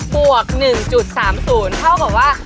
บวก๑๓๐เท่ากับว่า